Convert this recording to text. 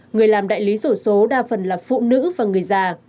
người làm đại lý sổ số đa phần là phụ nữ và người già